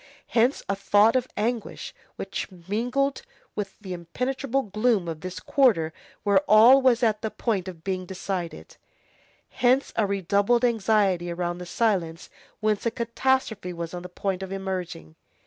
Hence a thought of anguish which mingled with the impenetrable gloom of this quarter where all was at the point of being decided; hence a redoubled anxiety around that silence whence a catastrophe was on the point of emerging.